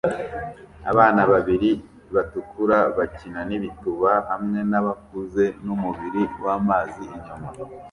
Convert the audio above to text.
Abana babiri batukura bakina nibituba hamwe nabakuze numubiri wamazi inyuma